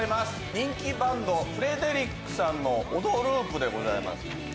人気バンド、フレデリックさんの「オドループ」でございます。